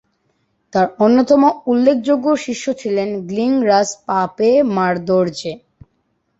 তার অন্যতম উল্লেখযোগ্য শিষ্য ছিলেন গ্লিং-রাস-পা-পে-মা-র্দো-র্জে।